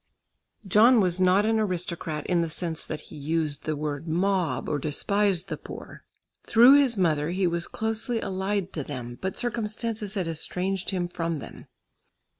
John was not an aristocrat in the sense that he used the word "mob" or despised the poor. Through his mother he was closely allied to them, but circumstances had estranged him from them.